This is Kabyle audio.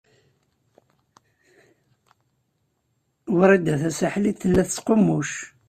Wrida Tasaḥlit tella tettqummuc.